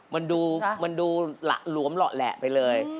มันดูหละหลวมหละแหละไปเลย